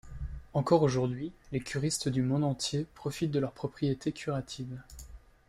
Encore aujourd’hui, les curistes du monde entier profitent de leurs propriétés curatives.